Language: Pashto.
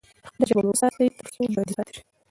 خپله ژبه مو وساتئ ترڅو ژوندي پاتې شئ.